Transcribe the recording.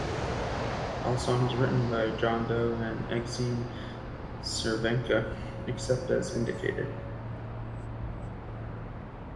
All songs written by John Doe and Exene Cervenka except as indicated.